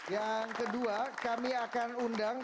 yang kedua kami akan undang